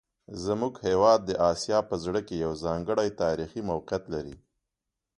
زموږ هیواد د اسیا په زړه کې یو ځانګړی تاریخي موقعیت لري.